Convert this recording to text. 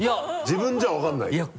自分じゃ分かんないけど。